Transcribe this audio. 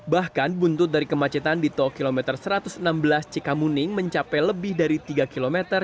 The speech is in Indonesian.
bahkan buntut dari kemacetan di tol kilometer satu ratus enam belas cikamuning mencapai lebih dari tiga km